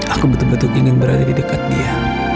aku betul betul ingin berada di dekat dia